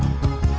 liat dong liat